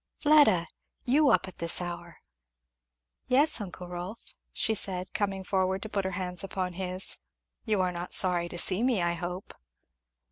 "Fleda! you up at this hour!" "Yes, uncle Rolf," she said coming forward to put her hands upon his, "you are not sorry to see me, I hope."